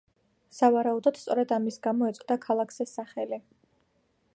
სავარაუდოდ, სწორედ ამის გამო ეწოდა ქალაქს ეს სახელი.